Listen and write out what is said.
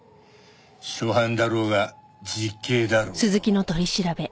初犯だろうが実刑だろうよ。